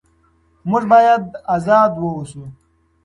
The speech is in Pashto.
موږ باید ازاد واوسو.